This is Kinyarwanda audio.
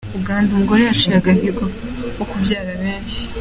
Uganda: Umugore yaciye agahigo ko kubyara benshi.